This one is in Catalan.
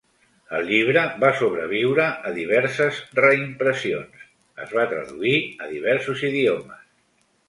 El llibre va sobreviure a diverses reimpressions, es va traduir a diversos idiomes.